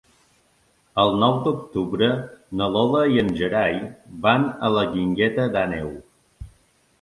El nou d'octubre na Lola i en Gerai van a la Guingueta d'Àneu.